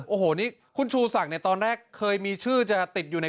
โอ้โหนี่คุณชูศักดิ์เนี่ยตอนแรกเคยมีชื่อจะติดอยู่ใน